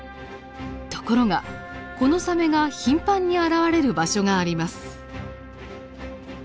ところがこのサメが頻繁に現れる場所があります。